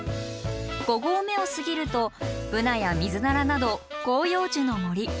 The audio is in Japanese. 五合目を過ぎるとブナやミズナラなど広葉樹の森。